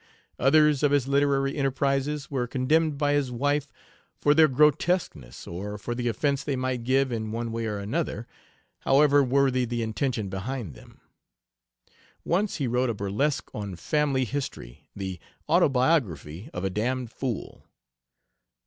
Others of his literary enterprises were condemned by his wife for their grotesqueness or for the offense they might give in one way or another, however worthy the intention behind them. Once he wrote a burlesque on family history "The Autobiography of a Damned Fool."